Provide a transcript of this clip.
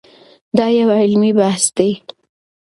دا یو علمي بحث دی.